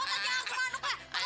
anggur gini buah